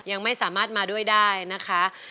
ยังไม่สามารถมาด้วยได้นะคะ